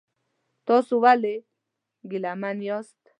تاسو ولې ګیلمن یاست؟